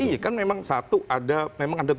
ini kan memang satu ada memang ada